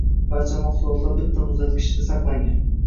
Barcha mahsulotlar bitta muzlatgichda saqlangan.